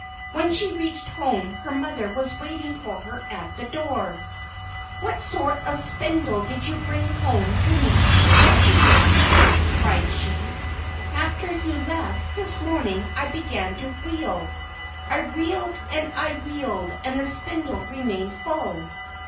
When she reached home her mother was waiting for her at the door. "What sort of a spindle did you bring home to me yesterday?" cried she. "After you left this morning I began to reel. I reeled and I reeled, and the spindle remained full.